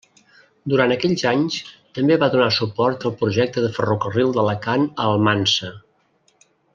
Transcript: Durant aquells anys també va donar suport al projecte de ferrocarril d'Alacant a Almansa.